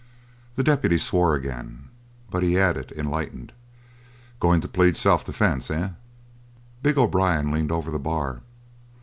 The deputy swore again, but he added, enlightened; "Going to plead self defense, eh?" Big O'Brien leaned over the bar.